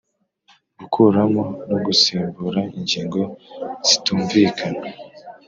Gukuramo no gusimbura ingingo zitumvikana